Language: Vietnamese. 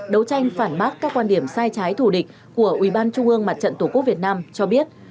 đấu tranh phản bác các quan điểm sai trái thù địch của ubnd tổ quốc việt nam cho biết